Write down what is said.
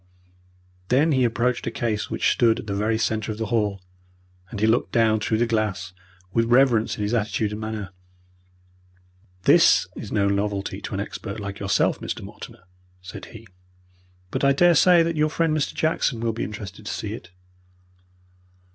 Then he approached a case which stood in the very centre of the hall, and he looked down through the glass with reverence in his attitude and manner. "This is no novelty to an expert like yourself, Mr. Mortimer," said he; "but I daresay that your friend, Mr. Jackson, will be interested to see it."